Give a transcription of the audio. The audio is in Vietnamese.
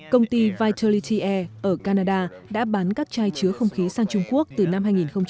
công ty vitality air ở canada đã bán các chai chứa không khí sang trung quốc từ năm hai nghìn một mươi